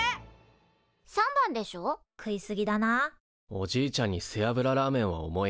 おじいちゃんに背脂ラーメンは重い。